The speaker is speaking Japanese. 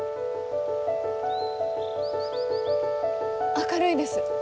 明るいです。